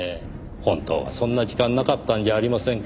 本当はそんな時間なかったんじゃありませんか？